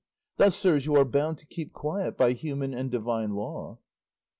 Thus, sirs, you are bound to keep quiet by human and divine law."